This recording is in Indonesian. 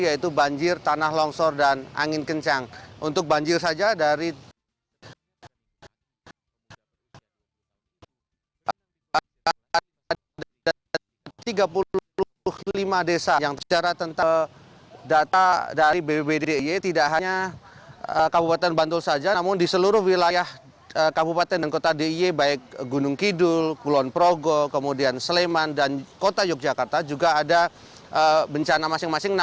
yaitu banjir tanah longsor dan angin kencang